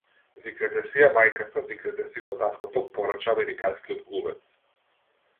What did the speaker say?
Викнете си ја мајката, викнете си го таткото, порача американскиот глумец.